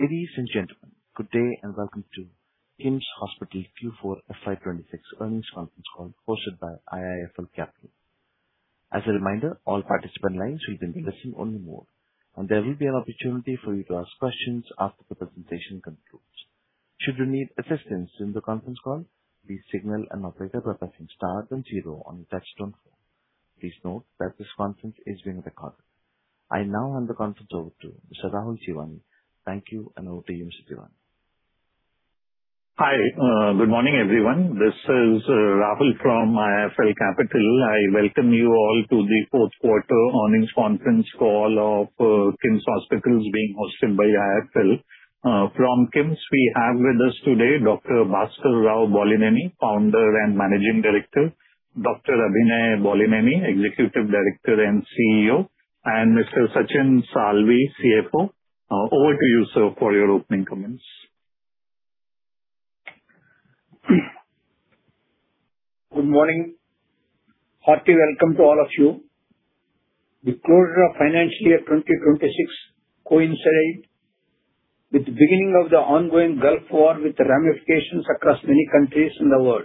Ladies and gentlemen, good day and welcome to KIMS Hospitals Q4 FY 2026 earnings conference call hosted by IIFL Capital. As a reminder, all participant lines will be in listen-only mode, and there will be an opportunity for you to ask questions after the presentation concludes. Should you need assistance in the conference call, please signal an operator by pressing star zero on your touchtone phone. Please note that this conference is being recorded. I now hand the conference over to Mr. Rahul Jeewani. Thank you, and over to you, Mr. Jeewani. Hi. Good morning, everyone. This is Rahul from IIFL Capital. I welcome you all to the fourth quarter earnings conference call of KIMS Hospitals being hosted by IIFL. From KIMS, we have with us today Dr. Bhaskar Rao Bollineni, Founder and Managing Director, Abhinay Bollineni, Executive Director and CEO, and Mr. Sachin Salvi, CFO. Over to you, sir, for your opening comments. Good morning. Hearty welcome to all of you. The closure of financial year 2026 coincided with the beginning of the ongoing Gulf War, with ramifications across many countries in the world,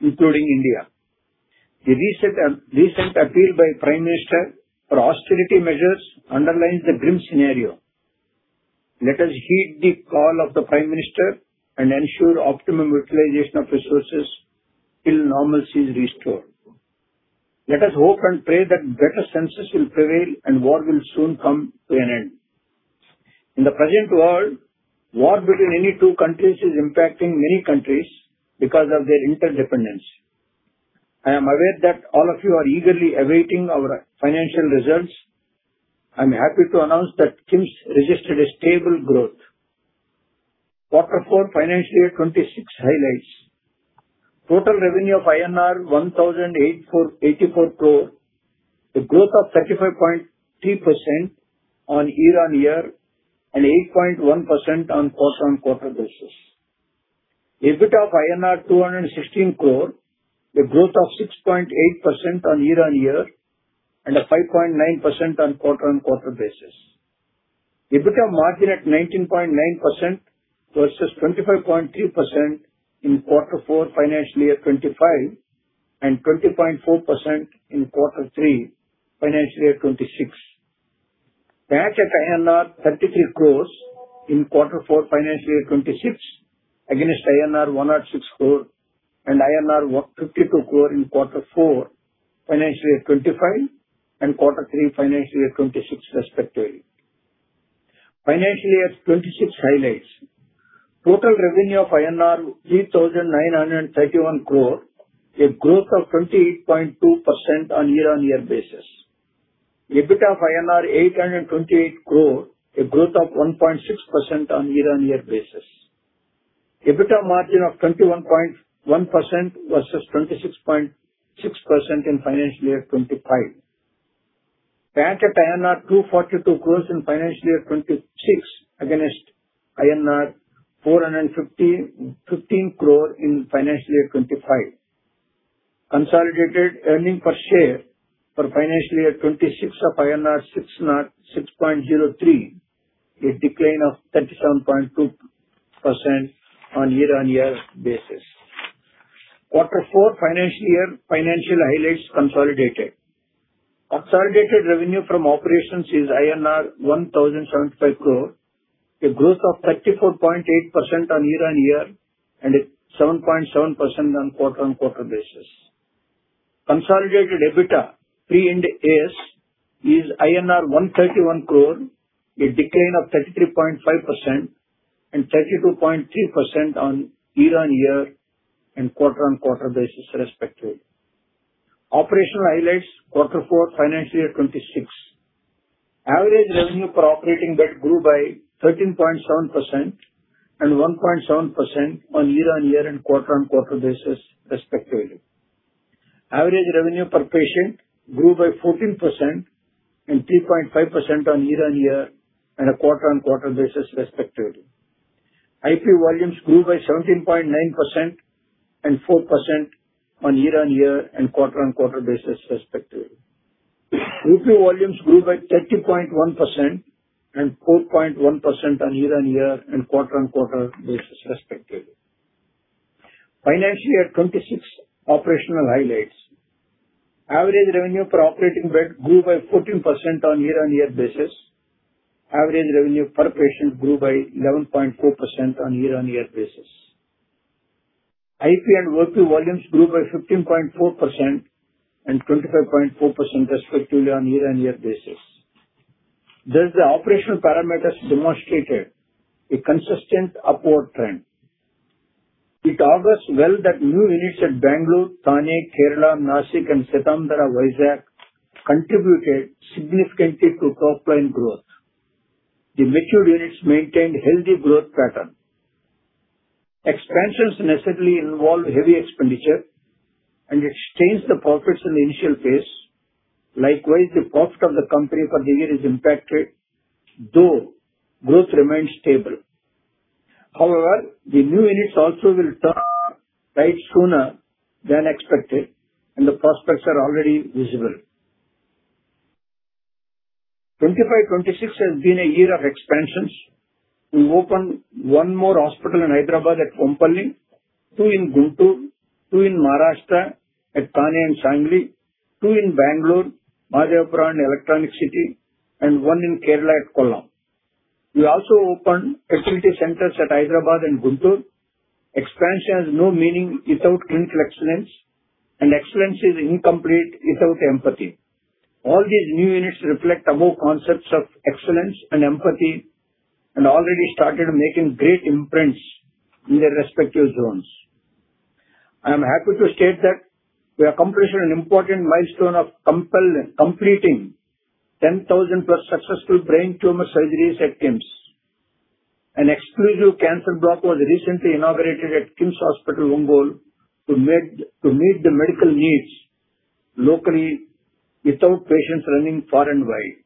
including India. The recent appeal by Prime Minister for austerity measures underlines the grim scenario. Let us heed the call of the Prime Minister and ensure optimum utilization of resources till normalcy is restored. Let us hope and pray that better senses will prevail and war will soon come to an end. In the present world, war between any two countries is impacting many countries because of their interdependence. I am aware that all of you are eagerly awaiting our financial results. I'm happy to announce that KIMS registered a stable growth. Quarter four financial year 2026 highlights. Total revenue of INR 1,084 crore, a growth of 35.3% on year-on-year and 8.1% on quarter-on-quarter basis. EBIT of INR 216 crore, a growth of 6.8% on year-on-year and 5.9% on quarter-on-quarter basis. EBITDA margin at 19.9% versus 25.3% in Q4 FY 2025 and 20.4% in Q3 FY 2026. Cash at INR 33 crores in Q4 FY 2026 against INR 106 crore and INR 52 crore in Q4 FY 2025 and Q3 FY 2026 respectively. FY 2026 highlights. Total revenue of 3,931 crore INR, a growth of 28.2% on year-on-year basis. EBIT of INR 828 crore, a growth of 1.6% on year-on-year basis. EBITDA margin of 21.1% versus 26.6% in FY 2025. Cash at INR 242 crore in FY 2026 against INR 415 crore in FY 2025. Consolidated earning per share for FY 2026 of INR 606.03, a decline of 37.2% on year-on-year basis. Q4 financial year highlights consolidated. Consolidated revenue from operations is INR 1,075 crore, a growth of 34.8% on year-on-year and 7.7% on quarter-on-quarter basis. Consolidated EBITDA pre Ind AS is INR 131 crore, a decline of 33.5% and 32.3% on year-on-year and quarter-on-quarter basis respectively. Operational highlights quarter four FY 2026. Average revenue per operating bed grew by 13.7% and 1.7% on year-on-year and quarter-on-quarter basis respectively. Average revenue per patient grew by 14% and 3.5% on year-on-year and a quarter-on-quarter basis respectively. IP volumes grew by 17.9% and 4% on year-on-year and quarter-on-quarter basis respectively. OP volumes grew by 30.1% and 4.1% on year-on-year and quarter-on-quarter basis respectively. FY 2026 operational highlights. Average revenue per operating bed grew by 14% on year-on-year basis. Average revenue per patient grew by 11.4% on year-on-year basis. IP and OP volumes grew by 15.4% and 25.4% respectively on year-on-year basis. Thus, the operational parameters demonstrated a consistent upward trend. It augurs well that new units at Bengaluru, Thane, Kerala, Nashik, and Seethammadhara, Vizag contributed significantly to top line growth. The matured units maintained healthy growth pattern. Expansions necessarily involve heavy expenditure and restrains the profits in the initial phase. Likewise, the profit of the company for the year is impacted, though growth remains stable. The new units also will turn right sooner than expected, and the prospects are already visible. 2025, 2026 has been a year of expansions. We opened one more hospital in Hyderabad at Kompally, two in Guntur, two in Maharashtra at Thane and Sangli, two in Bengaluru, Mahadevapura and Electronic City, and one in Kerala at Kollam. We also opened activity centers at Hyderabad and Guntur. Expansion has no meaning without clinical excellence, and excellence is incomplete without empathy. All these new units reflect above concepts of excellence and empathy and already started making great imprints in their respective zones. I am happy to state that we have accomplished an important milestone of completing 10,000+ successful brain tumor surgeries at KIMS. An exclusive cancer block was recently inaugurated at KIMS Hospital, Ongole, to meet the medical needs locally without patients running far and wide.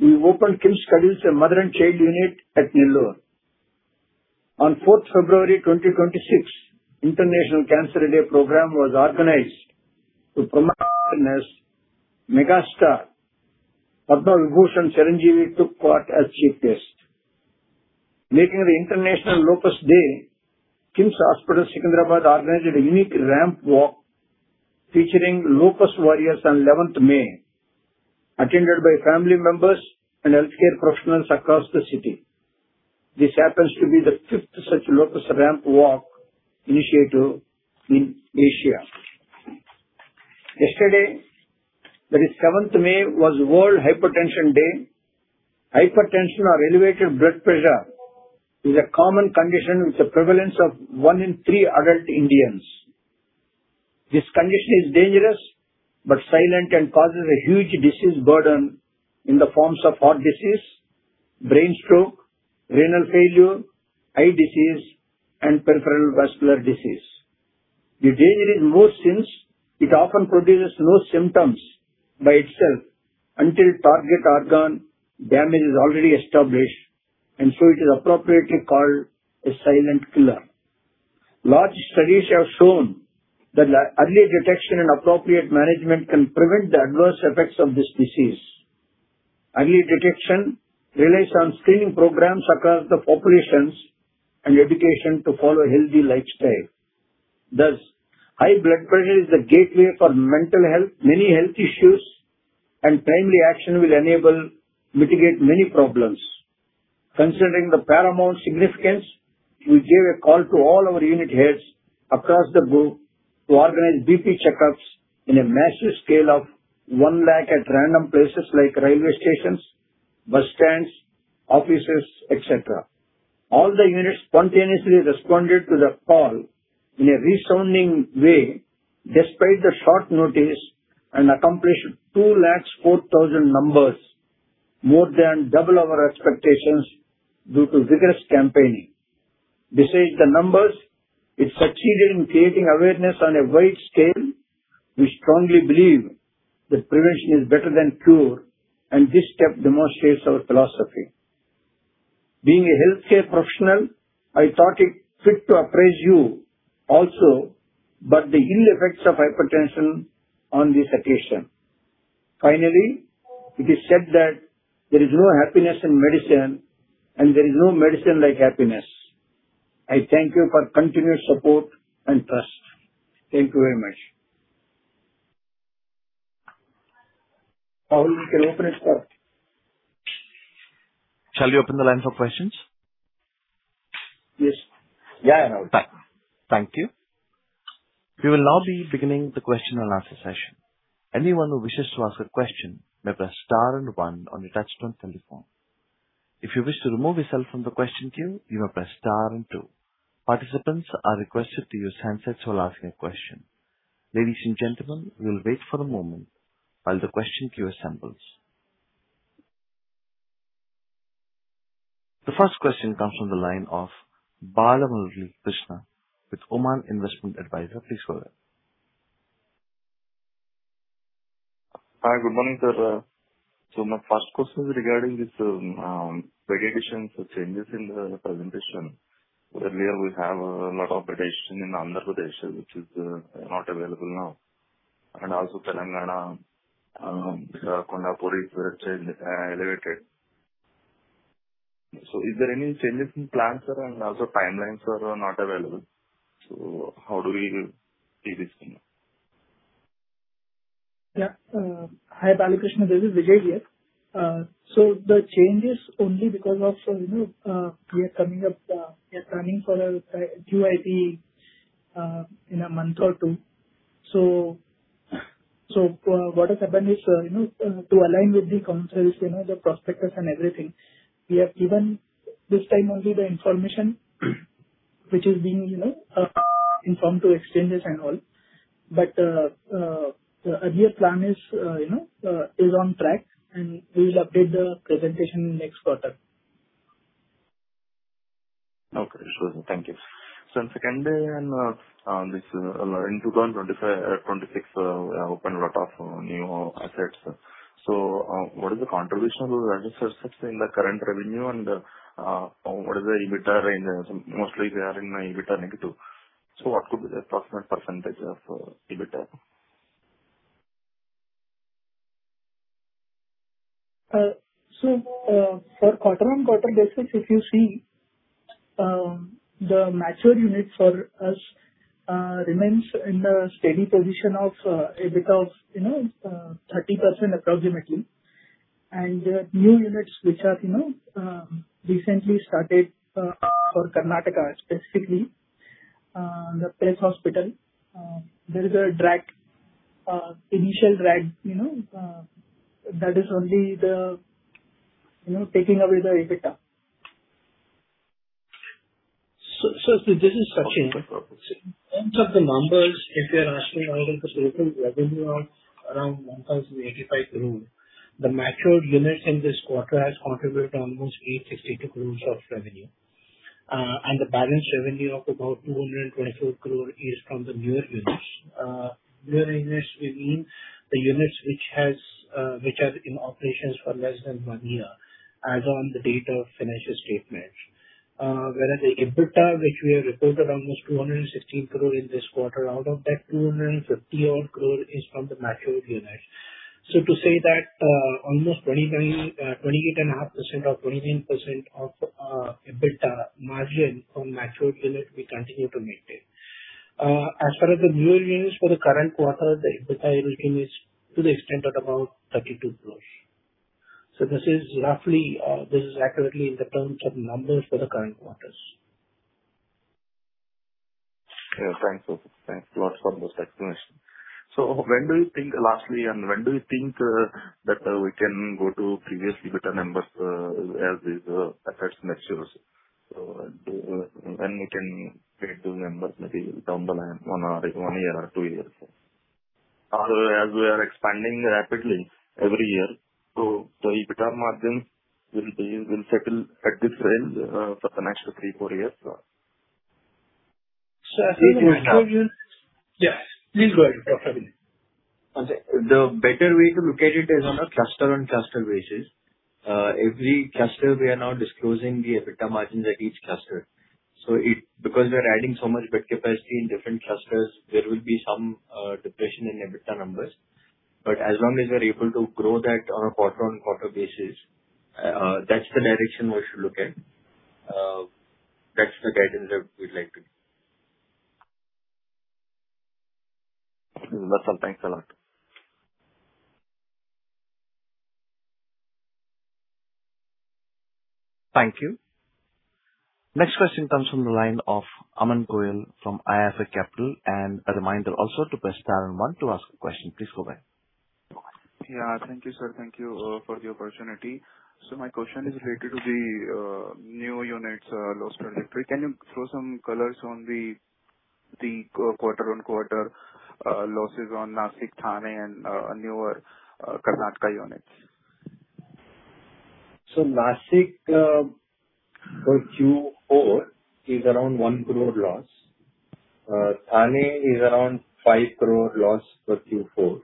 We opened KIMS Cuddles, a mother and child unit at Nellore. On 4th February 2026, World Cancer Day program was organized to promote awareness. Megastar Padma Vibhushan Chiranjeevi took part as chief guest. Making the World Lupus Day, KIMS Hospital, Secunderabad, organized a unique ramp walk featuring lupus warriors on 11th May, attended by family members and healthcare professionals across the city. This happens to be the 5th such lupus ramp walk initiative in Asia. Yesterday, that is 7th May, was World Hypertension Day. Hypertension or elevated blood pressure is a common condition with a prevalence of one in three adult Indians. This condition is dangerous but silent and causes a huge disease burden in the forms of heart disease, brain stroke, renal failure, eye disease, and peripheral vascular disease. The danger is more since it often produces no symptoms by itself until target organ damage is already established, and so it is appropriately called a silent killer. Large studies have shown that early detection and appropriate management can prevent the adverse effects of this disease. Early detection relies on screening programs across the populations and education to follow healthy lifestyle. Thus, high blood pressure is the gateway for mental health, many health issues, and timely action will enable mitigate many problems. Considering the paramount significance, we gave a call to all our unit heads across the group to organize BP checkups in a massive scale of 1 lakh at random places like railway stations, bus stands, offices, etc. All the units spontaneously responded to the call in a resounding way despite the short notice and accomplished 2 lakh 4,000 numbers, more than double our expectations due to vigorous campaigning. Besides the numbers, it succeeded in creating awareness on a wide scale. We strongly believe that prevention is better than cure, and this step demonstrates our philosophy. Being a healthcare professional, I thought it fit to appraise you also about the ill effects of hypertension on this occasion. Finally, it is said that there is no happiness in medicine and there is no medicine like happiness. I thank you for continued support and trust. Thank you very much. Now we can open it, sir. Shall we open the lines for questions? Yes. Yeah, now. Thank you. We will now be beginning the question and answer session. Anyone who wishes to ask a question may press star and one on your touchtone telephone. If you wish to remove yourself from the question queue, you may press star and two. Participants are requested to use handsets while asking a question. Ladies and gentlemen, we will wait for a moment while the question queue assembles. The first question comes from the line of Balakrishnan with AUM Asset Management. Please go ahead. Hi, good morning, sir. My first question is regarding this segregation, changes in the presentation. Earlier we have a lot of addition in Andhra Pradesh, which is not available now. Also Telangana, Kondapur is changed, elevated. Is there any changes in plans that are, and also timelines are not available. How do we see this thing now? Yeah. Hi, Balakrishnan, this is Vikas here. The change is only because of, you know, we are coming up, we are planning for a QIP in a month or two. What has happened is, you know, to align with the councils, you know, the prospectus and everything, we have given this time only the information which is being, you know, informed to exchanges and all. The earlier plan is, you know, is on track, and we will update the presentation next quarter. Okay, sure. Thank you. In second, and this, in 2025, 2026, we have opened lot of new assets. What is the contribution of the registered assets in the current revenue and what is the EBITDA range? Mostly we are in EBITDA negative. What could be the approximate percentage of EBITDA? For quarter-on-quarter basis, if you see, the mature unit for us remains in the steady position of EBITDA of, you know, 30% approximately. The new units which are, you know, recently started for Karnataka specifically, the PES Hospital. There is a drag, initial drag, you know, that is only the, you know, taking away the EBITDA. This is Sachin. Okay. In terms of the numbers, if you're asking, Arjun, the total revenue of around 1,085 crore, the matured units in this quarter has contributed almost 862 crore of revenue. The balance revenue of about 224 crore is from the newer units. Newer units we mean the units which has, which are in operations for less than one year as on the date of financial statement. Whereas the EBITDA which we have reported almost 216 crore in this quarter, out of that 250 odd crore is from the matured unit. To say that, almost 29%, 28.5% or 29% of EBITDA margin from matured unit, we continue to maintain. As far as the newer units for the current quarter, the EBITDA earning is to the extent at about 32 crores. This is roughly, this is accurately in the terms of numbers for the current quarters. Thanks, Sachin. Thanks a lot for this explanation. When do you think lastly, and when do you think that we can go to previous EBITDA numbers as these effects matures? When we can get to numbers maybe down the line, one or one year or two years? As we are expanding rapidly every year, so EBITDA margins will be, will settle at this range for the next three, four years? As far as the matured units. Yeah. Please go ahead, Dr. Abhinay Bollineni. Okay. The better way to look at it is on a cluster-on-cluster basis. Every cluster we are now disclosing the EBITDA margin at each cluster. Because we are adding so much bed capacity in different clusters, there will be some depression in EBITDA numbers. As long as we are able to grow that on a quarter-on-quarter basis, that's the direction we should look at. That's the guidance that we'd like to give. Awesome, thanks a lot. Thank you. Next question comes from the line of Aman Goyal from IIFL Capital. A reminder also to press star and 1 to ask a question. Please go ahead. Yeah. Thank you, sir. Thank you for the opportunity. My question is related to the new units loss trajectory. Can you throw some colors on the quarter-on-quarter losses on Nashik, Thane, and newer Karnataka units? Nashik, for Q4 is around 1 crore loss. Thane is around 5 crore loss for Q4.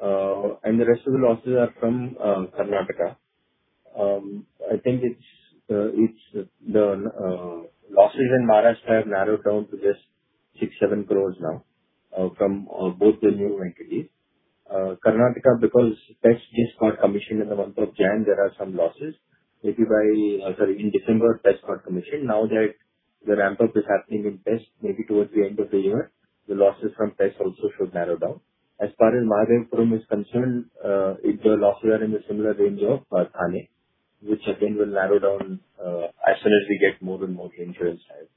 The rest of the losses are from Karnataka. I think it's the losses in Maharashtra have narrowed down to just 6-7 crores now from both the new entities. Karnataka because PES just got commissioned in the month of January, there are some losses. Maybe by, sorry, in December, PES got commissioned. Now that the ramp-up is happening in PES, maybe towards the end of the year, the losses from PES also should narrow down. As far as Mahadevapura is concerned, it, the losses are in the similar range of Thane, which again will narrow down as soon as we get more and more insurance sides.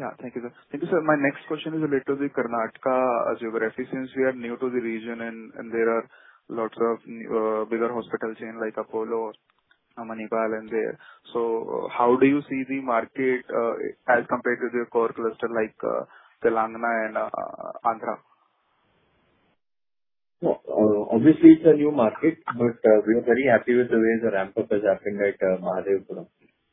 Yeah. Thank you, sir. Thank you, sir. My next question is related to the Karnataka. As you were referring, since we are new to the region and there are lots of bigger hospital chains like Apollo, Manipal and there. How do you see the market as compared to the core cluster like Telangana and Andhra? Obviously it's a new market, we are very happy with the way the ramp-up has happened at Mahadevapura.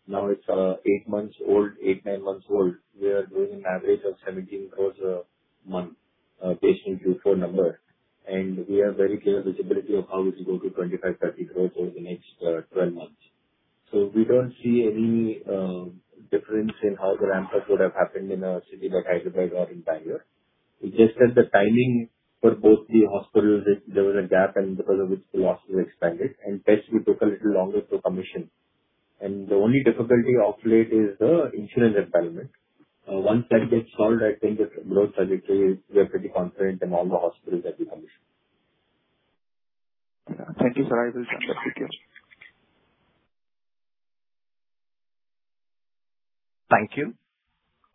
Now it's eight months old, eight, nine months old. We are doing an average of 17 crores a month, patient throughflow number. We are very clear visibility of how this will go to 25-30 crores over the next 12 months. We don't see any difference in how the ramp-ups would have happened in a city like Hyderabad or in Bengaluru. It's just that the timing for both the hospitals, there was a gap and because of which the hospital expanded. PES we took a little longer to commission. The only difficulty of late is the insurance entitlement. Once that gets solved, I think it's growth trajectory, we are pretty confident in all the hospitals that we commission. Yeah. Thank you, sir. I will just conclude here. Thank you.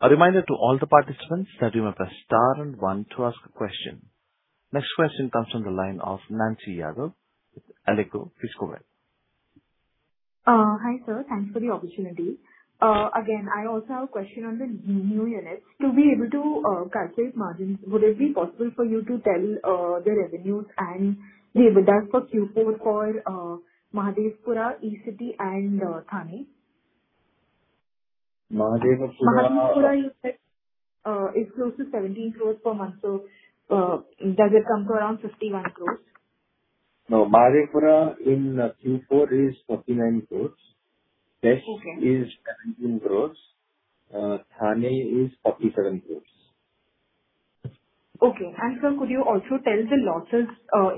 A reminder to all the participants that you must press star and one to ask a question. Next question comes from the line of Nancy Jacob with Edelweiss. Please go ahead. Hi, sir. Thanks for the opportunity. Again, I also have a question on the new units. To be able to calculate margins, would it be possible for you to tell the revenues and the EBITDA for Q4 for Mahadevapura, E-City and Thane? Mahadevapura- Mahadevapura you said, is close to 17 crores per month. Does it come to around 51 crores? No, Mahadevapura in Q4 is 49 crores. Okay. Next is 17 crores. Thane is 47 crores. Okay. Sir, could you also tell the losses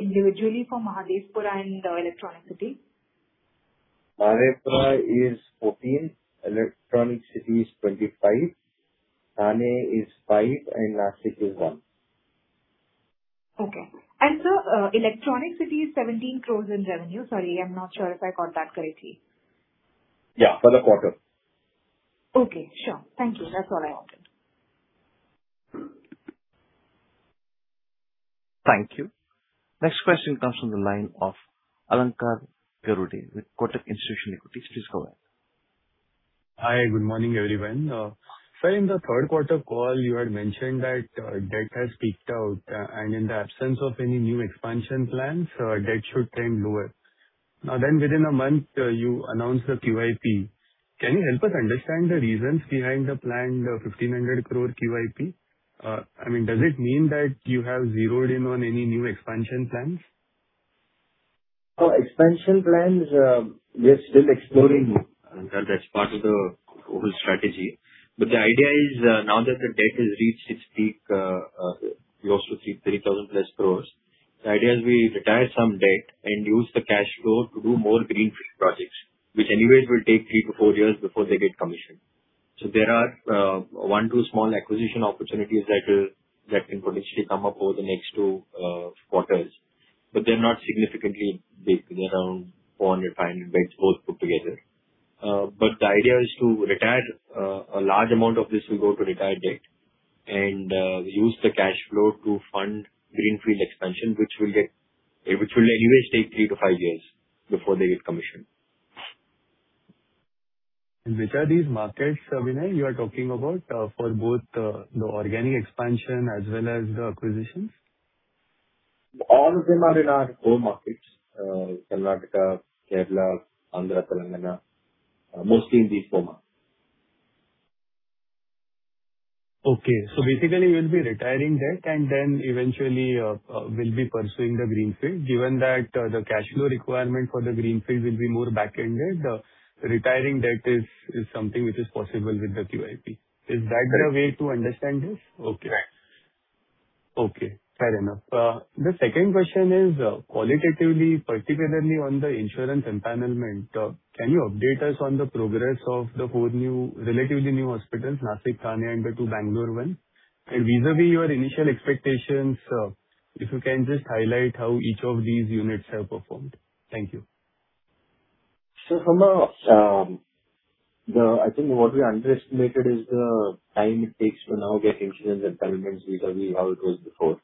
individually for Mahadevapura and Electronic City? Mahadevapura is 14, Electronic City is 25, Thane is five, Nashik is one. Okay. Sir, Electronic City is 17 crores in revenue. Sorry, I'm not sure if I got that correctly. Yeah, for the quarter. Okay, sure. Thank you. That's all I wanted. Thank you. Next question comes from the line of Alankar Garude with Kotak Institutional Equities. Please go ahead. Hi, good morning, everyone. Sir, in the third quarter call, you had mentioned that debt has peaked out, and in the absence of any new expansion plans, debt should trend lower. Within a month, you announce the QIP. Can you help us understand the reasons behind the planned 1,500 crore QIP? I mean, does it mean that you have zeroed in on any new expansion plans? Expansion plans, we are still exploring, Alankar. That's part of the overall strategy. The idea is, now that the debt has reached its peak, close to 3,000+ crores. The idea is we retire some debt and use the cash flow to do more greenfield projects, which anyways will take 3 to 4 years before they get commissioned. There are one, two small acquisition opportunities that can potentially come up over the next two quarters, but they're not significantly big. They're around 400, 500 beds both put together. The idea is to retire, a large amount of this will go to retire debt and use the cash flow to fund greenfield expansion, which will anyways take 3 to 5 years before they get commissioned. Which are these markets, Abhinay Bollineni, you are talking about, for both, the organic expansion as well as the acquisitions? All of them are in our core markets. Karnataka, Kerala, Andhra Pradesh, Telangana, mostly in these four markets. Okay. Basically you'll be retiring debt and then eventually will be pursuing the greenfield. Given that the cash flow requirement for the greenfield will be more back-ended, retiring debt is something which is possible with the QIP. Is that the way to understand this? Correct. Okay. Okay, fair enough. The second question is, qualitatively, particularly on the insurance empanelment, can you update us on the progress of the four new, relatively new hospitals, Nashik, Thane, and the two Bengaluru one? Vis-à-vis your initial expectations, if you can just highlight how each of these units have performed. Thank you. From a, I think what we underestimated is the time it takes to now get insurance empanelments vis-à-vis how it was before.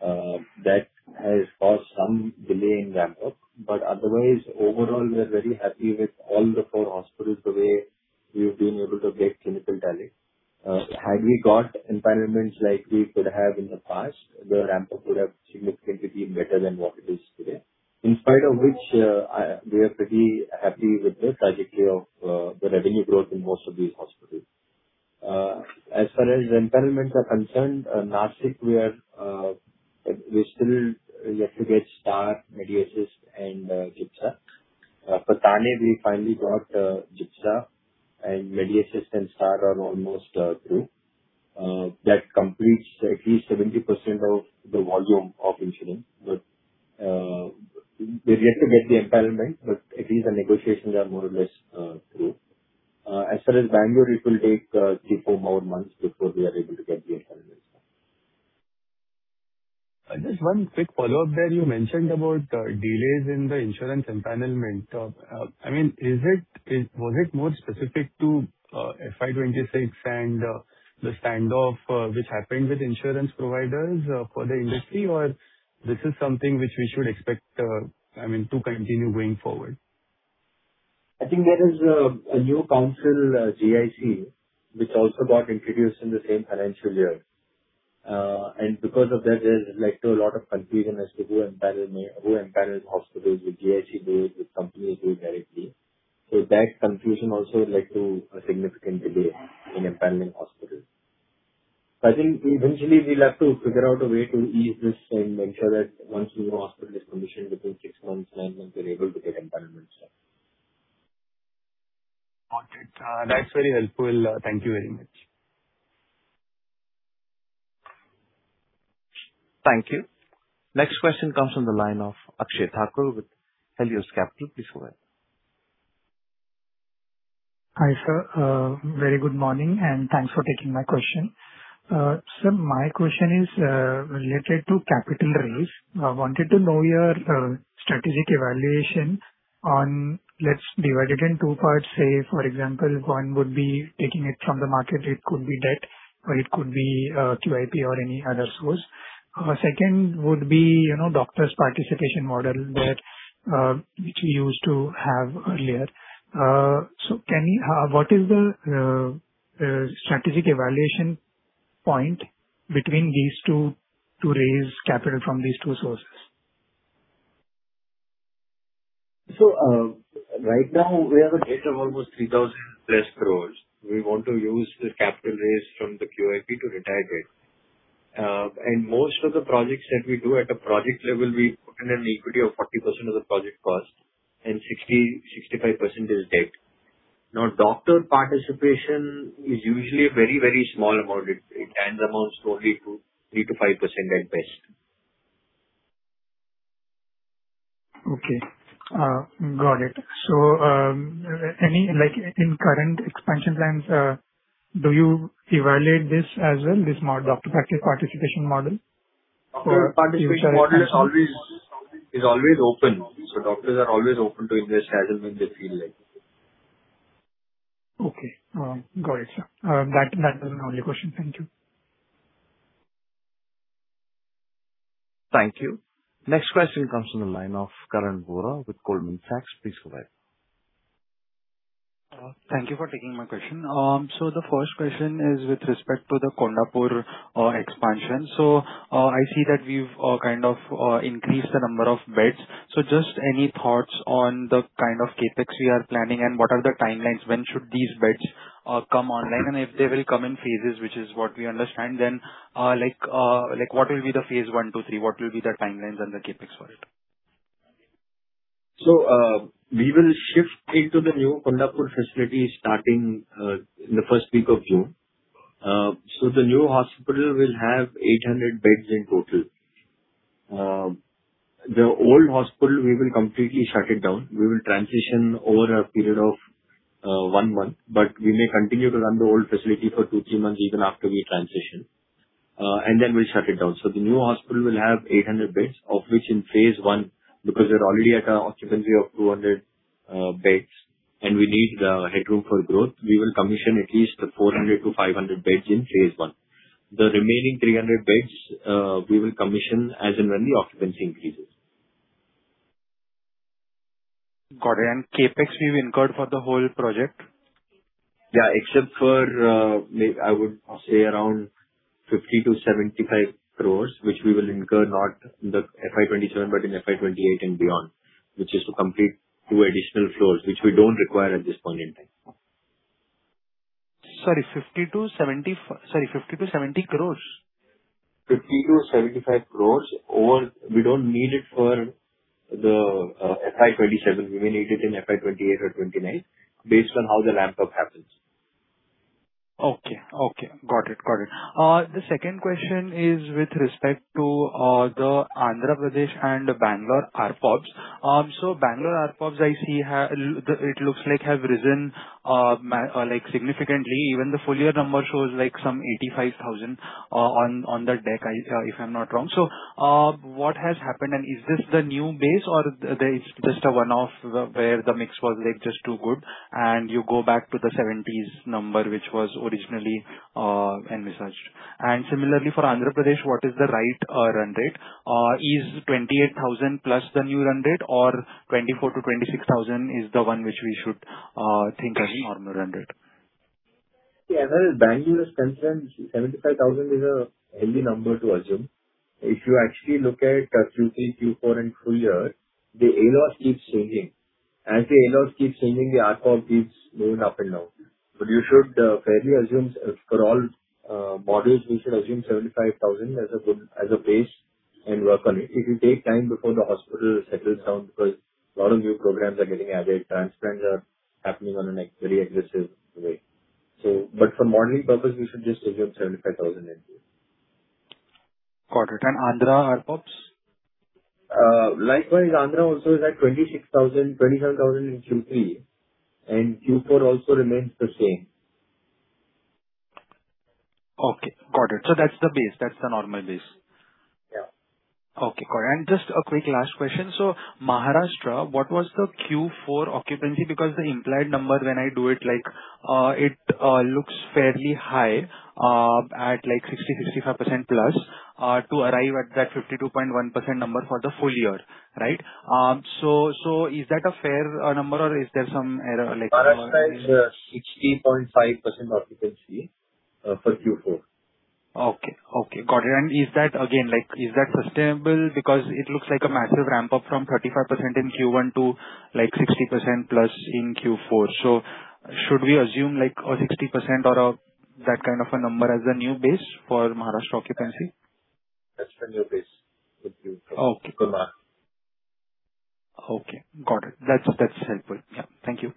That has caused some delay in ramp-up. Otherwise, overall, we are very happy with all the four hospitals, the way we've been able to get clinical tally. Had we got empanelments like we could have in the past, the ramp-up would have significantly been better than what it is today. In spite of which, we are pretty happy with the trajectory of the revenue growth in most of these hospitals. As far as empanelments are concerned, Nashik we are, we still left to get STAR, Medi Assist, and GIPSA. For Thane, we finally got GIPSA and Medi Assist and STAR are almost through. That completes at least 70% of the volume of insurance. We're yet to get the empanelment, but at least the negotiations are more or less, through. As far as Bengaluru, it will take, three, four more months before we are able to get the empanelments done. Just one quick follow-up there. You mentioned about delays in the insurance empanelment. I mean, was it more specific to FY 2026 and the standoff which happened with insurance providers for the industry, or is this something which we should expect, I mean, to continue going forward? I think there is a new council, GIC, which also got introduced in the same financial year. Because of that, there's led to a lot of confusion as to who empanels hospitals. Do GIC do it? Do companies do it directly? That confusion also led to a significant delay in empaneling hospitals. I think eventually we'll have to figure out a way to ease this and make sure that once the new hospital is commissioned, within six months, nine months, we're able to get empanelment done. Got it. That's very helpful. Thank you very much. Thank you. Next question comes from the line of Akshay Thakur with Helios Capital. Please go ahead. Hi sir. Very good morning and thanks for taking my question. Sir, my question is related to capital raise. I wanted to know your strategic evaluation on let's divide it in two parts. Say, for example, one would be taking it from the market, it could be debt or it could be QIP or any other source. Second would be, you know, doctors participation model that which we used to have earlier. Can you, what is the strategic evaluation point between these two to raise capital from these two sources? Right now we have a debt of almost 3,000+ crores. We want to use the capital raise from the QIP to retire it. Most of the projects that we do at a project level, we put in an equity of 40% of the project cost and 60%-65% is debt. Now, doctor participation is usually a very, very small amount. It runs amounts only to 3%-5% at best. Okay. Got it. Any like in current expansion plans, do you evaluate this as well, this doctor practice participation model for future expansion? Doctor participation model is always open. Doctors are always open to invest as and when they feel like. Okay. Got it, sir. That was my only question. Thank you. Thank you. Next question comes from the line of Karan Vora with Goldman Sachs. Please go ahead. Thank you for taking my question. The first question is with respect to the Kondapur expansion. I see that we've increased the number of beds. Just any thoughts on the kind of CapEx we are planning and what are the timelines? When should these beds come online? If they will come in phases, which is what we understand, then what will be the phase I, II, III? What will be the timelines and the CapEx for it? We will shift into the new Kondapur facility starting in the first week of June. The new hospital will have 800 beds in total. The old hospital, we will completely shut it down. We will transition over a period of one month, but we may continue to run the old facility for two, three months even after we transition. And then we'll shut it down. The new hospital will have 800 beds, of which in phase I, because we are already at an occupancy of 200 beds and we need the headroom for growth, we will commission at least 400-500 beds in phase I. The remaining 300 beds, we will commission as and when the occupancy increases. Got it. CapEx we've incurred for the whole project? Yeah. Except for, I would say around 50 crore-75 crore, which we will incur not in the FY 2027, but in FY 2028 and beyond, which is to complete two additional floors, which we don't require at this point in time. Sorry, 50-70 crores? 50-75 crores. We don't need it for the FY 2027. We may need it in FY 2028 or 2029 based on how the ramp-up happens. The second question is with respect to the Andhra Pradesh and Bangalore ARPOBs. Bangalore ARPOBs I see it looks like have risen like significantly. Even the full year number shows like some 85,000 on the deck, if I'm not wrong. What has happened and is this the new base or it's just a one-off where the mix was like just too good and you go back to the 70s number, which was originally envisaged? Similarly for Andhra Pradesh, what is the right run rate? Is 28,000+ the new run rate or 24,000-26,000 is the one which we should think as a normal run rate? Yeah. As far as Bengaluru is concerned, 75,000 is a healthy number to assume. If you actually look at Q3, Q4 and full year, the ALOS keeps changing. As the ALOS keeps changing, the ARPOB keeps moving up and down. You should fairly assume for all models, we should assume 75,000 as a good, as a base and work on it. It will take time before the hospital settles down because a lot of new programs are getting added. Transplants are happening on a very aggressive way. For modeling purpose, we should just assume 75,000 in Q4. Got it. Andhra ARPOBs? Likewise, Andhra also is at 26,000, 27,000 in Q3, and Q4 also remains the same. Okay, got it. That's the base. That's the normal base. Yeah. Okay, got it. Just a quick last question. Maharashtra, what was the Q4 occupancy? Because the implied number when I do it, like, it looks fairly high, at like 60%, 65%+, to arrive at that 52.1% number for the full year, right? Is that a fair number or is there some error? Maharashtra is 60.5% occupancy for Q4. Okay. Okay, got it. Is that again, like is that sustainable? It looks like a massive ramp-up from 35% in Q1 to like 60%+ in Q4. Should we assume like a 60% or that kind of a number as a new base for Maharashtra occupancy? That's the new base for Q4. Okay. For March. Okay, got it. That's helpful. Yeah. Thank you.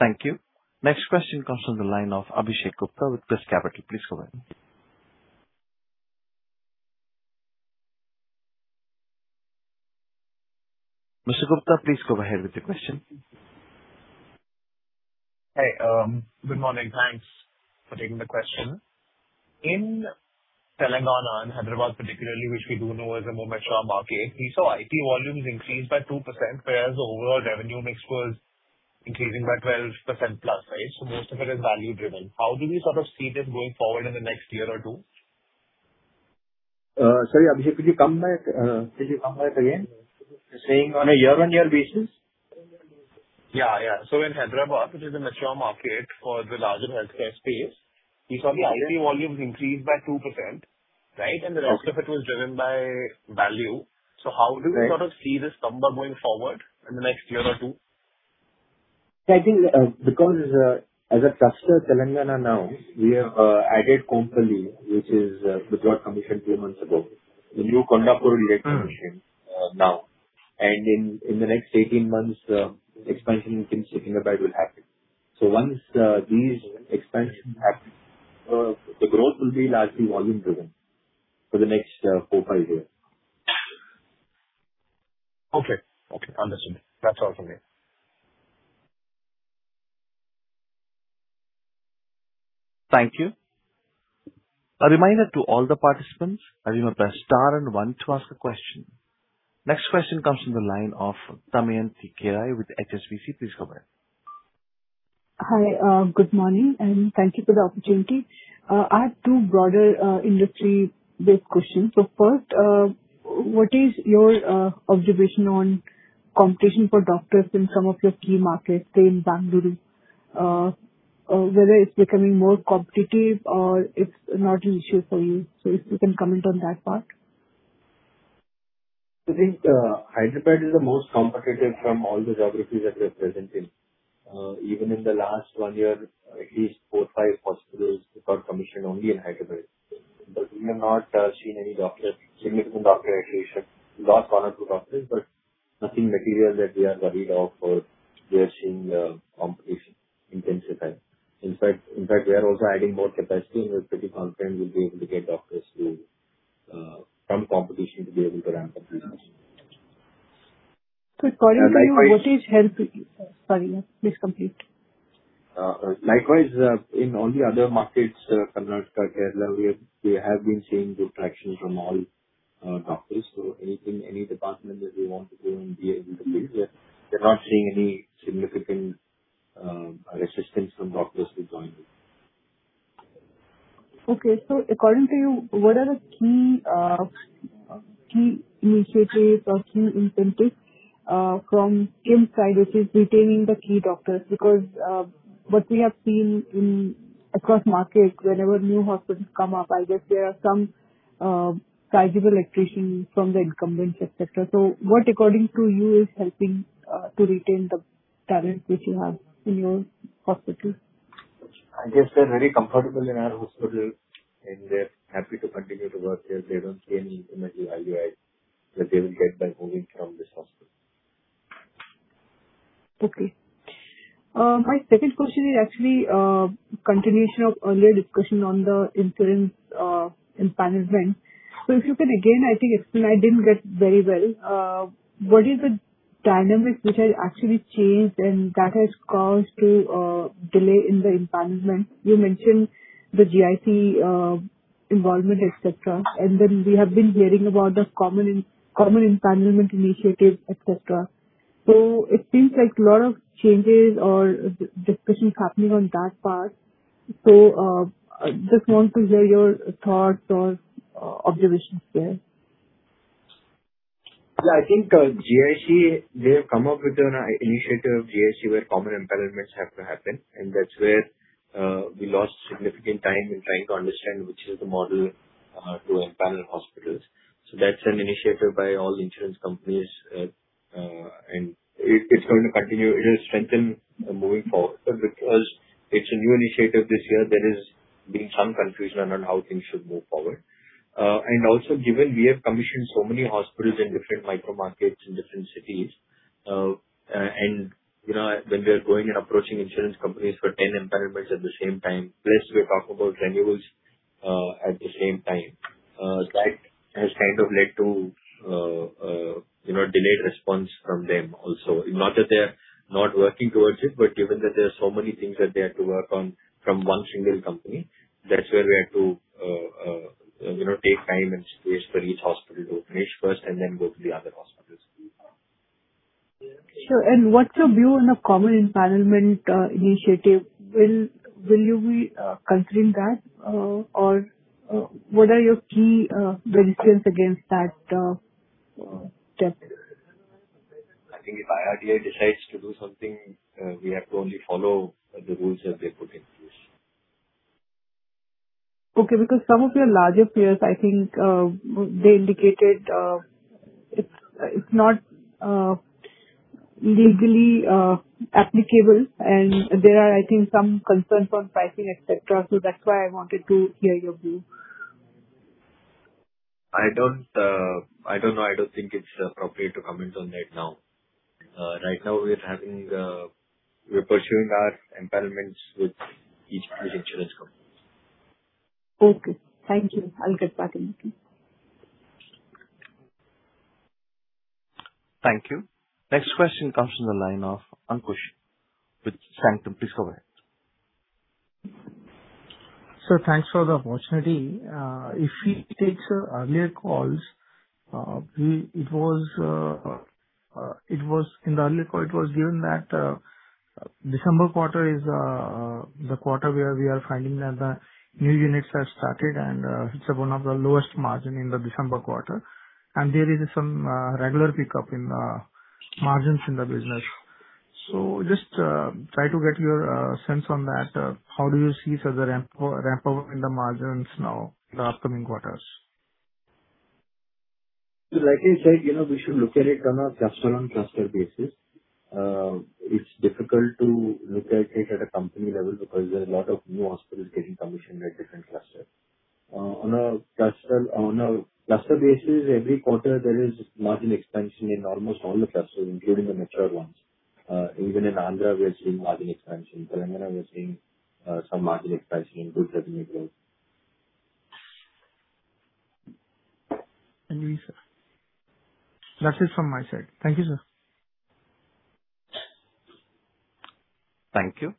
Thank you. Next question comes from the line of Abhishek Gupta with ChrysCapital. Please go ahead. Mr. Gupta, please go ahead with your question. Hey, good morning. Thanks for taking the question. In Telangana and Hyderabad particularly, which we do know is a more mature market, we saw IP volumes increased by 2%, whereas the overall revenue mix was increasing by 12%+, right? Most of it is value driven. How do we sort of see this going forward in the next year or two? Sorry, Abhishek, could you come back, could you come back again? You're saying on a year-on-year basis? Yeah, yeah. In Hyderabad, which is a mature market for the larger healthcare space, we saw the IP volumes increase by 2%, right? Okay. The rest of it was driven by value. Right. How do we sort of see this number going forward in the next year or two? I think, because, as a cluster Telangana now, we have added completely, which is, which got commissioned two months ago. The new Kondapur. Elect commission, now. In the next 18 months, expansion in Hyderabad will happen. Once these expansion happen, the growth will be largely volume-driven for the next four, five years. Okay. Okay, understood. That's all from me. Thank you. A reminder to all the participants, as you know, press star and one to ask a question. Next question comes from the line of Damayanti Kerai with HSBC. Please go ahead. Hi. Good morning and thank you for the opportunity. I have two broader industry-based questions. First, what is your observation on competition for doctors in some of your key markets, say in Bengaluru, whether it is becoming more competitive or it is not an issue for you? If you can comment on that part. I think, Hyderabad is the most competitive from all the geographies that we are present in. Even in the last one year, at least four or five hospitals got commissioned only in Hyderabad. We have not seen any doctor, significant doctor attrition. We lost one or two doctors, but nothing material that we are worried of or we are seeing competition in terms of that. In fact, we are also adding more capacity and we're pretty confident we'll be able to get doctors to from competition to be able to ramp up capacity. According to you, what is help? Sorry, yeah. Please complete. Likewise, in all the other markets, Karnataka, Kerala, we have been seeing good traction from all doctors. Anything, any department that they want to go in, we are able to fill. Yeah. We're not seeing any significant resistance from doctors to join us. Okay. According to you, what are the key initiatives or key incentives from KIMS side which is retaining the key doctors? What we have seen in across markets, whenever new hospitals come up, I guess there are some sizable attrition from the incumbents, etc. What according to you is helping to retain the talent which you have in your hospitals? I guess they're very comfortable in our hospital and they're happy to continue to work here. They don't see any incremental value add that they will get by moving from this hospital. Okay. My second question is actually a continuation of earlier discussion on the insurance empanelment. If you could again, I think explain. I didn't get very well. What is the dynamics which has actually changed and that has caused to delay in the empanelment? You mentioned the GIC involvement, etc. Then we have been hearing about the common empanelment initiatives, etc. It seems like a lot of changes or discussions happening on that part. I just want to hear your thoughts or observations there. Yeah, I think GIC, they have come up with an initiative, GIC, where common empanelments have to happen. That's where we lost significant time in trying to understand which is the model to empanel hospitals. That's an initiative by all insurance companies. It's going to continue. It will strengthen moving forward. Because it's a new initiative this year, there is been some confusion on how things should move forward. Also given we have commissioned so many hospitals in different micro markets in different cities, and you know, when we are going and approaching insurance companies for 10 empanelments at the same time, plus we are talking about renewals at the same time, that has kind of led to, you know, delayed response from them also. Not that they're not working towards it, given that there are so many things that they have to work on from one single company, that's where we had to, you know, take time and space for each hospital to finish first and then go to the other hospitals. Sure. What's your view on a common empanelment initiative? Will you be considering that, or what are your key resistance against that check? I think if IRDAI decides to do something, we have to only follow the rules that they put in place. Okay. Some of your larger peers, I think, they indicated, it's not, legally, applicable. There are, I think, some concerns on pricing, etc. That's why I wanted to hear your view. I don't know. I don't think it's appropriate to comment on that now. Right now we're having, we're pursuing our empanelments with each, with insurance companies. Okay. Thank you. I'll get back in. Thank you. Next question comes from the line of Ankush with Sanctum. Please go ahead. Sir, thanks for the opportunity. If he takes earlier calls, it was in the earlier call it was given that. December quarter is the quarter where we are finding that the new units have started and it's one of the lowest margin in the December quarter. There is some regular pickup in the margins in the business. Just try to get your sense on that. How do you see sort of ramp up in the margins now in the upcoming quarters? Like I said, you know, we should look at it on a cluster-on-cluster basis. It's difficult to look at it at a company level because there are a lot of new hospitals getting commissioned at different clusters. On a cluster basis, every quarter there is margin expansion in almost all the clusters, including the mature ones. Even in Andhra, we are seeing margin expansion. Telangana, we are seeing some margin expansion in both the new builds. Thank you, sir. That's it from my side. Thank you, sir. Thank you.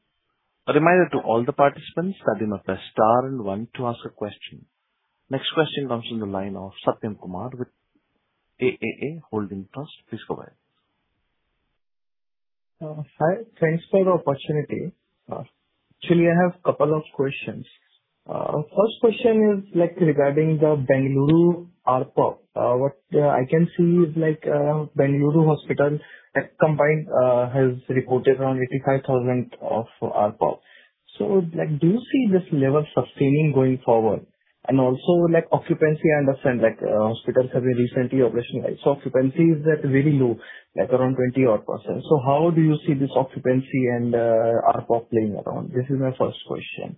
A reminder to all the participants that you must star and one to ask a question. Next question comes from the line of Satyam Kumar with AAA Holding Trust. Please go ahead. Hi. Thanks for the opportunity. Actually, I have a couple of questions. First question is like regarding the Bengaluru ARPOB. What I can see is like, Bengaluru hospital has combined, has reported around 85,000 of ARPOB. Like, do you see this level sustaining going forward? Also, like, occupancy, I understand, like, hospitals have been recently operationalized. Occupancy is at really low, like around 20-odd %. How do you see this occupancy and ARPOB playing around? This is my first question.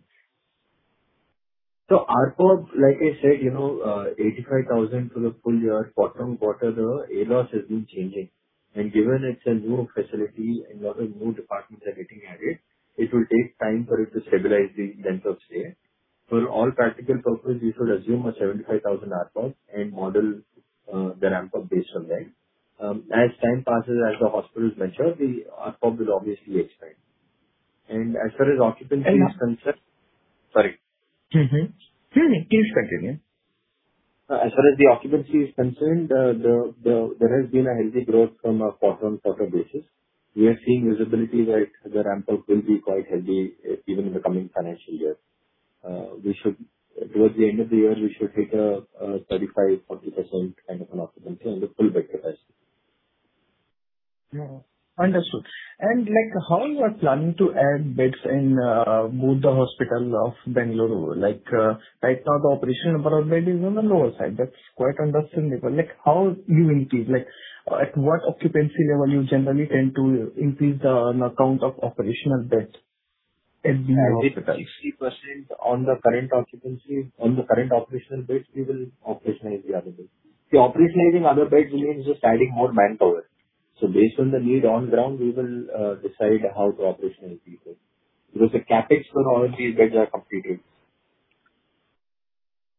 ARPOB, like I said, you know, 85,000 for the full year, bottom quarter, the ALOS has been changing. Given it's a new facility and a lot of new departments are getting added, it will take time for it to stabilize the length of stay. For all practical purposes, we should assume a 75,000 ARPOB and model the ramp up based on that. As time passes, as the hospitals mature, the ARPOB will obviously expand. As far as occupancy is concerned Sorry. Mm-hmm. Please continue. As far as the occupancy is concerned, there has been a healthy growth from a quarter-on-quarter basis. We are seeing visibility that the ramp up will be quite healthy even in the coming financial year. Towards the end of the year, we should hit a 35%-40% kind of an occupancy on the full bed capacity. Yeah. Understood. Like, how you are planning to add beds in both the hospital of Bengaluru? Like, right now the operational bed is on the lower side. That's quite understandable. Like, how you increase, like at what occupancy level you generally tend to increase the count of operational beds in Bengaluru hospitals? At 60% on the current occupancy, on the current operational beds, we will operationalize the other beds. Operationalizing other beds means just adding more manpower. Based on the need on ground, we will decide how to operationalize these beds because the CapEx for all these beds are completed.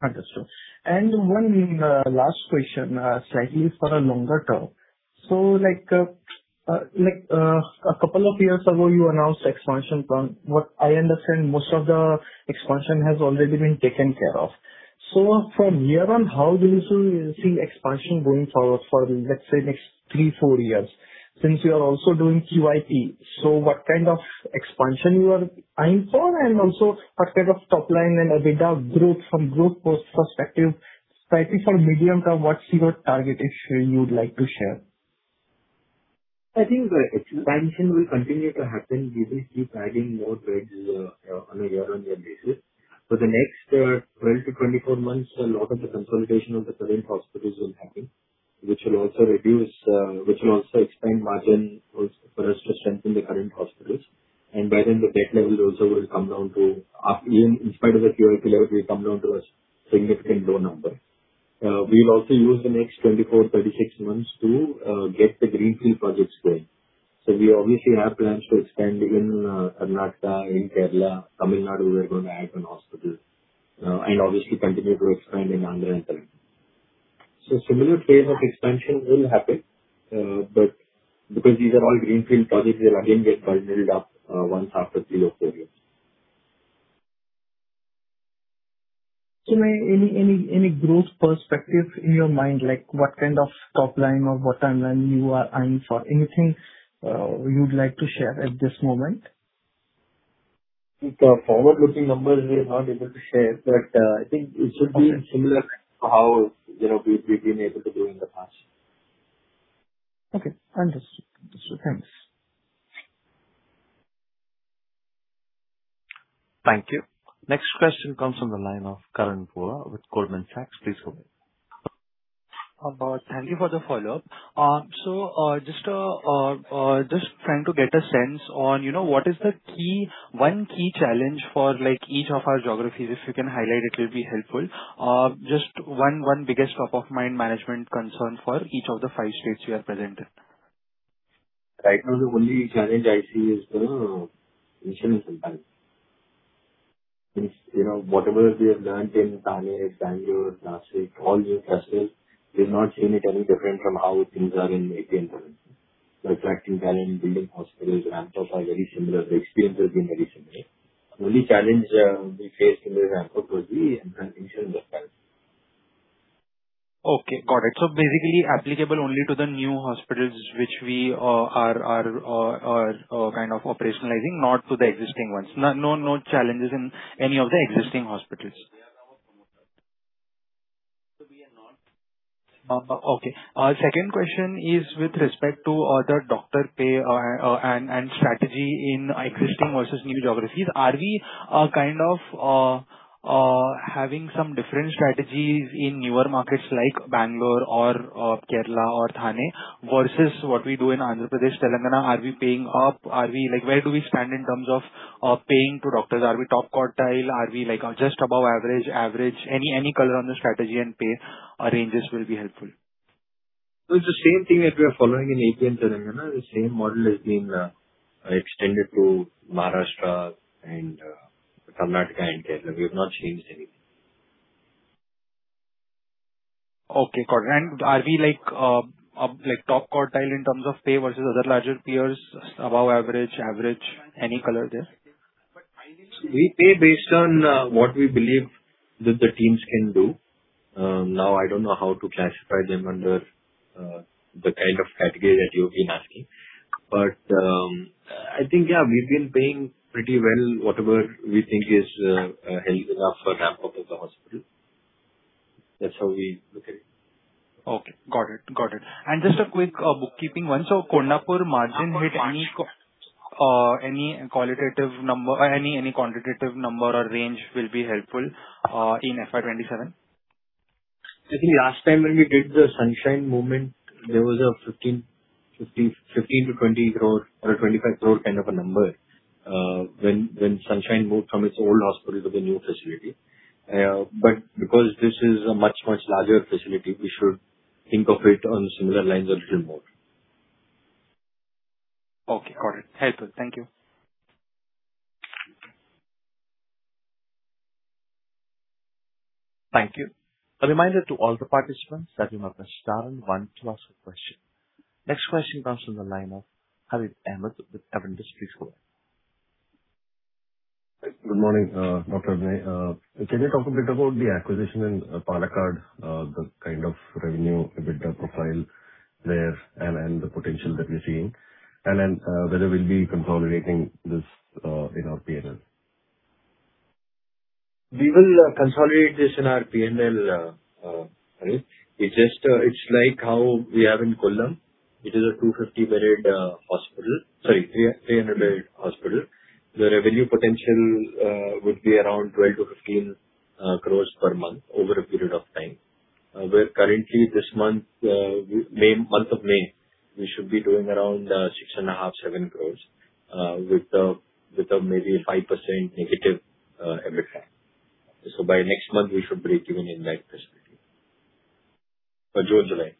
Understood. One last question, slightly for the longer-term. Like a couple of years ago you announced expansion plan. What I understand most of the expansion has already been taken care of. From here on, how will you see expansion going forward for, let's say next three, four years since you are also doing QIP. What kind of expansion you are eyeing for and also what kind of top line and EBITDA growth from growth post perspective, slightly for medium-term, what's your target if you'd like to share? I think the expansion will continue to happen. We will keep adding more beds on a year-on-year basis. For the next 12-24 months, a lot of the consolidation of the current hospitals will happen, which will also reduce, which will also expand margin for us to strengthen the current hospitals. By then the debt level also will come down in spite of the QIP level to a significant low number. We will also use the next 24, 36 months to get the greenfield projects going. We obviously have plans to expand in Karnataka, in Kerala. Tamil Nadu, we are going to add one hospital, and obviously continue to expand in Andhra and Telangana. Similar phase of expansion will happen, but because these are all greenfield projects, they'll again get bundled up, once after three or four years. Any growth perspective in your mind, like what kind of top line or bottom line you are eyeing for? Anything you'd like to share at this moment? The forward-looking numbers we are not able to share, but, I think it should be similar to how, you know, we've been able to do in the past. Okay. Understood. Understood. Thanks. Thank you. Next question comes from the line of Karan Vora with Goldman Sachs. Please go ahead. Thank you for the follow-up. Just trying to get a sense on, you know, what is the key, one key challenge for like each of our geographies. If you can highlight it will be helpful. Just one biggest top of mind management concern for each of the five states you are present in. Right now the only challenge I see is the initial impact. You know, whatever we have learned in Pune, Bengaluru, Nashik, all these clusters is not seemingly any different from how things are in A.P. and Telangana. Attracting talent, building hospitals, ramp up are very similar. The experience has been very similar. Only challenge we face in the ramp up was the initial impact. Okay, got it. Basically applicable only to the new hospitals which we are kind of operationalizing, not to the existing ones. No, no challenges in any of the existing hospitals. We are now a promoter. Okay. Second question is with respect to the doctor pay and strategy in existing versus new geographies. Are we kind of having some different strategies in newer markets like Bengaluru or Kerala or Thane versus what we do in Andhra Pradesh, Telangana? Are we paying up? Like, where do we stand in terms of paying to doctors? Are we top quartile? Are we, like, just above average? Any color on the strategy and pay ranges will be helpful. it's the same thing that we are following in AP and Telangana. The same model has been extended to Maharashtra and Karnataka and Kerala. We have not changed anything. Okay, got it. Are we like top quartile in terms of pay versus other larger peers, above average? Any color there? We pay based on what we believe that the teams can do. I don't know how to classify them under the kind of category that you've been asking, but I think, yeah, we've been paying pretty well whatever we think is healthy enough for ramp-up of the hospital. That's how we look at it. Okay, got it. Got it. Just a quick bookkeeping one. Kondapur margin, with any qualitative number or any quantitative number or range will be helpful in FY 2027. I think last time when we did the Sunshine movement, there was an 15 crore-20 crore or an 25 crore kind of a number, when Sunshine moved from its old hospital to the new facility. Because this is a much larger facility, we should think of it on similar lines or a little more. Okay, got it. Helpful. Thank you. Thank you. A reminder to all the participants that you must star and one to ask a question. Next question comes from the line of Harith Ahamed with Covenant Industries Group. Good morning, Dr. Abhinay Bollineni. Can you talk a bit about the acquisition in Palakkad, the kind of revenue EBITDA profile there and the potential that we're seeing, and then whether we'll be consolidating this in our P&L. We will consolidate this in our P&L, Harith. It's like how we have in Kollam. It is a 250-bedded hospital. Sorry, 300-bedded hospital. The revenue potential would be around 12 crores-15 crores per month over a period of time. We're currently this month, May, month of May, we should be doing around 6.5 crores-7 crores with a maybe -5% EBITDA. By next month we should break even in that facility. By June, July.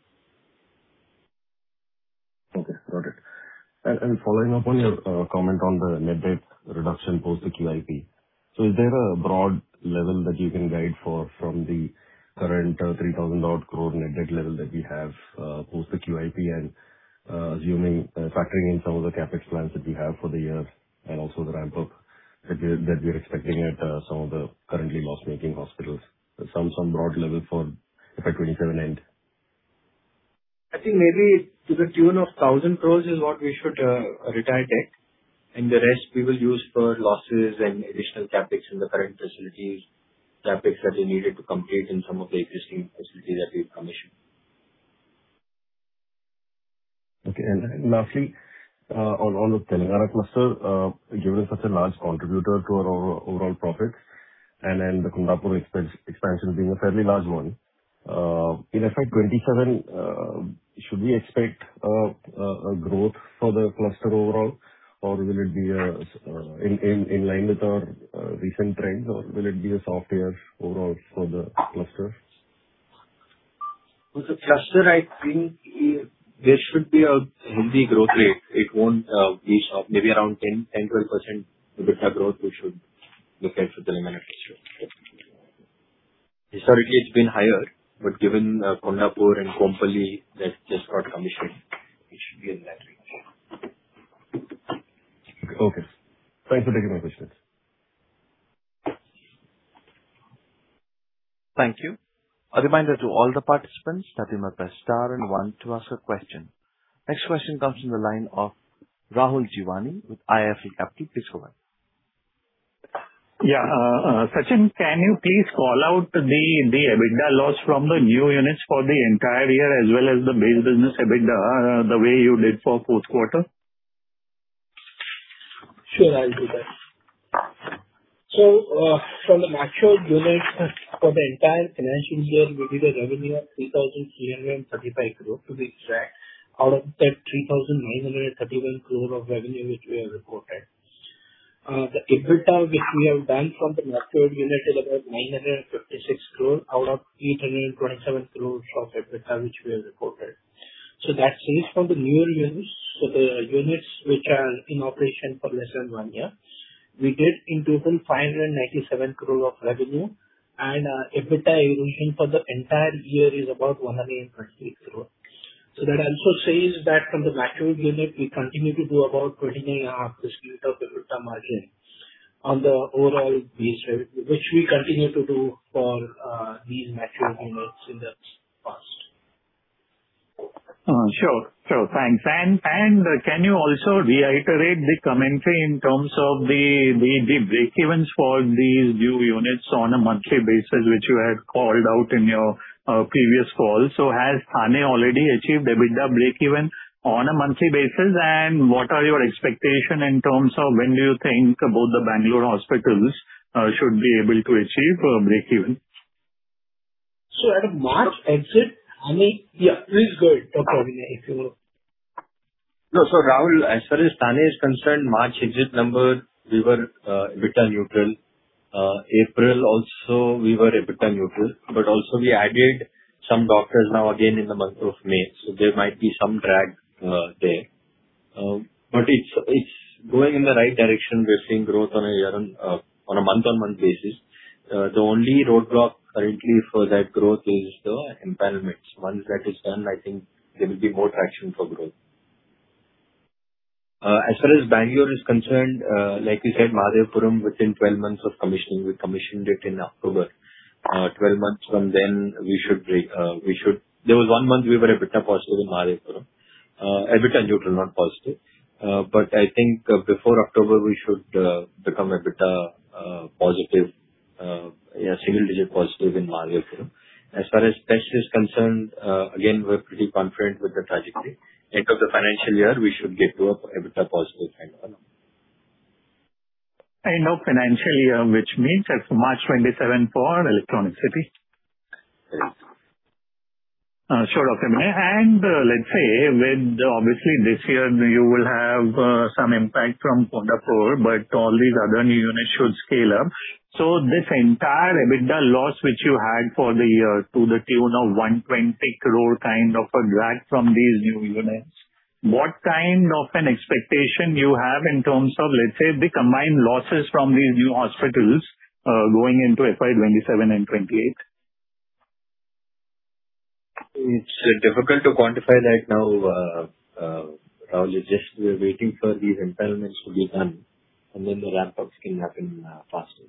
Okay, got it. Following up on your comment on the net debt reduction post the QIP, is there a broad level that you can guide for from the current 3,000 odd crore net debt level that we have post the QIP and assuming factoring in some of the CapEx plans that we have for the year and also the ramp-up that we're expecting at some of the currently loss-making hospitals, some broad level for FY 2027 end? I think maybe to the tune of 1,000 crores is what we should retire debt, and the rest we will use for losses and additional CapEx in the current facilities, CapEx that is needed to complete in some of the existing facilities that we've commissioned. Okay. Lastly, on the Telangana cluster, given it is such a large contributor to our overall profits and then the Kondapur expansion being a fairly large one, in FY 2027, should we expect a growth for the cluster overall, or will it be in line with our recent trends, or will it be a soft year overall for the cluster? With the cluster, I think it, there should be a healthy growth rate. Maybe around 10%-12% EBITDA growth we should look at for Telangana cluster. Historically it's been higher, but given Kondapur and Kompally that just got commissioned, it should be in that range. Okay. Thanks for taking my questions. Thank you. A reminder to all the participants that you must star one to ask a question. Next question comes from the line of Rahul Jeewani with IIFL Capital. Please go on. Yeah. Sachin, can you please call out the EBITDA loss from the new units for the entire year as well as the base business EBITDA, the way you did for fourth quarter? Sure, I'll do that. From the matured units for the entire financial year will be the revenue of 3,335 crore to be exact out of that 3,931 crore of revenue which we have reported. The EBITDA which we have done from the matured unit is about 956 crore out of 327 crore of EBITDA which we have reported. That says from the newer units, the units which are in operation for less than one year, we did in total 597 crore of revenue and EBITDA erosion for the entire year is about 128 crore. That also says that from the matured unit we continue to do about 20.5% EBITDA margin. On the overall base revenue, which we continue to do for these mature units in the past. Sure. Sure. Thanks. Can you also reiterate the commentary in terms of the break-evens for these new units on a monthly basis which you had called out in your previous call. Has Thane already achieved EBITDA break-even on a monthly basis? What are your expectation in terms of when do you think both the Bengaluru hospitals should be able to achieve break-even? At March exit, I mean Yeah, please go ahead, Abhinay Bollineni, if you will. No, Rahul, as far as Thane is concerned, March exit number we were EBITDA neutral. April also we were EBITDA neutral, also we added some doctors now again in the month of May, so there might be some drag there. It's going in the right direction. We're seeing growth on a month-on-month basis. The only roadblock currently for that growth is the empanelments. Once that is done, I think there will be more traction for growth. As far as Bengaluru is concerned, like you said, Mahadevapura within 12 months of commissioning. We commissioned it in October. 12 months from then we should break. There was one month we were EBITDA positive in Mahadevapura. EBITDA neutral, not positive. I think before October we should become EBITDA positive, yeah, single digit positive in Mahadevapura. As far as special is concerned, again, we're pretty confident with the trajectory. End of the financial year we should get to a EBITDA positive kind of a number. End of financial year which means as of March 27 for Electronic City. Yes. Sure, Abhinay Bollineni. Let's say with obviously this year you will have some impact from Kondapur, but all these other new units should scale up. This entire EBITDA loss which you had for the year to the tune of 120 crore kind of a drag from these new units, what kind of an expectation you have in terms of, let's say, the combined losses from these new hospitals going into FY 2027 and 2028? It's difficult to quantify right now, Rahul. You're just waiting for these empanelments to be done and then the ramp-ups can happen faster.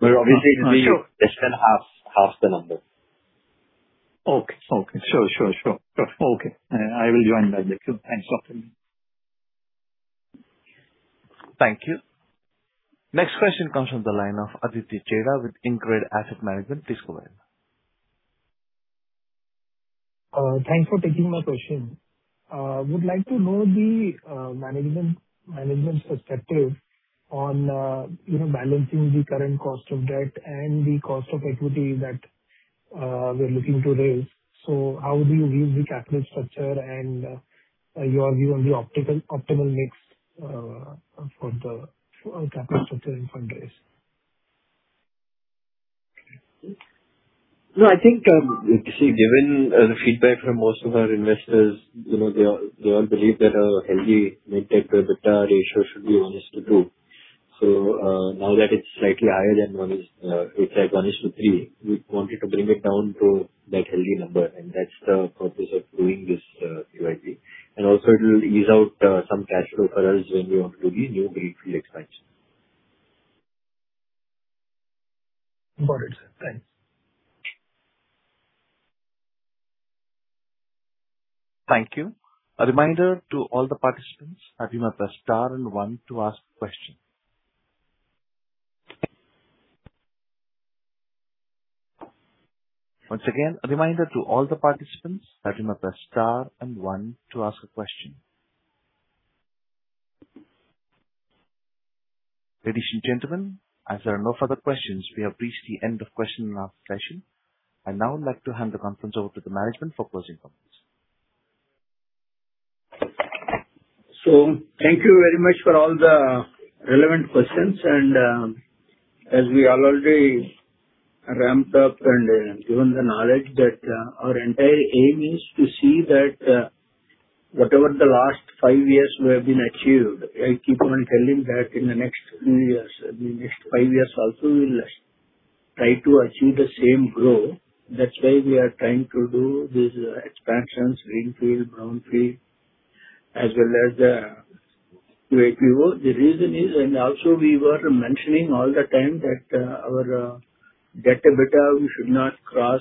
Sure. It will be less than half the number. Okay. Okay. Sure. Sure. Sure. Sure. Okay. I will join the dots. Thanks, Abhinay Bollineni. Thank you. Next question comes from the line of Aditya Jha with Incred Asset Management. Please go ahead. Thanks for taking my question. Would like to know the management perspective on, you know, balancing the current cost of debt and the cost of equity that we're looking to raise. How do you view the capital structure and your view on the optimal mix for the capital structure and fundraise? No, I think, you see, given the feedback from most of our investors, you know, they all, they all believe that a healthy net debt EBITDA ratio should be 1:2. Now that it's slightly higher than 1 is, it's like 1:3, we wanted to bring it down to that healthy number, and that's the purpose of doing this QIP. Also it will ease out some cash flow for us when we want to do the new greenfield expansion. Got it, sir. Thanks. Thank you. A reminder to all the participants that you may press star and one to ask a question. Once again, a reminder to all the participants that you may press star and one to ask a question. Ladies and gentlemen, as there are no further questions, we have reached the end of question and answer session. I'd now like to hand the conference over to the management for closing comments. Thank you very much for all the relevant questions. As we all already ramped up and given the knowledge that our entire aim is to see that whatever the last five years we have been achieved, I keep on telling that in the next few years, in the next five years also we'll try to achieve the same growth. That's why we are trying to do these expansions, greenfield, brownfield, as well as QIP. The reason is, and also we were mentioning all the time that our debt to EBITDA we should not cross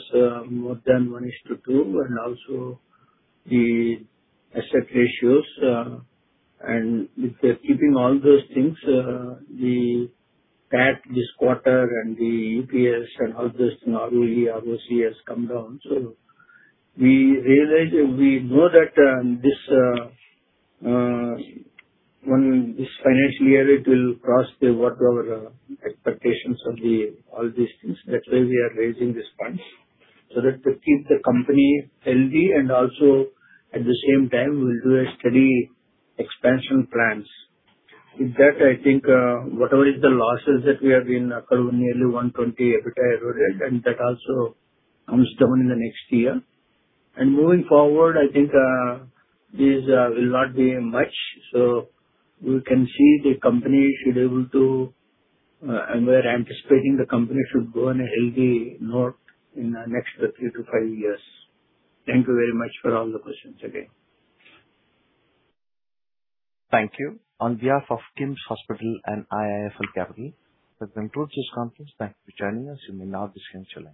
more than 1:2, and also the asset ratios, and with keeping all those things, the PAT this quarter and the EPS and all this normally obviously has come down. We realize that we know that, when this financial year it will cross the whatever expectations of the all these things. That's why we are raising these funds, so that to keep the company healthy and also at the same time we'll do a steady expansion plans. With that I think, whatever is the losses that we have been accruing, nearly 120 EBITDA every year, and that also comes down in the next year. Moving forward, I think, this will not be much. We can see the company should be able to, and we're anticipating the company should go on a healthy note in the next 3 to 5 years. Thank you very much for all the questions again. Thank you. On behalf of KIMS Hospital and IIFL Capital, that concludes this conference. Thank you for joining us. You may now disconnect your line.